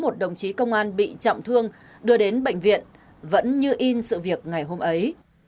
trong khi công an bị chậm thương đưa đến bệnh viện vẫn như in sự việc ngày hôm ấy